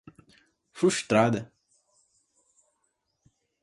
frustrada